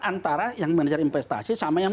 antara yang manajer investasi sama yang